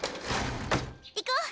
行こう。